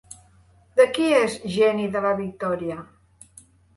De qui és Geni de la Victòria?